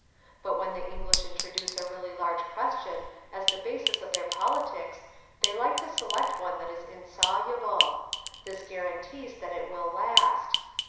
But when the English introduce a really large question as the basis of their politics they like to select one that is insoluble. This guarantees that it will last.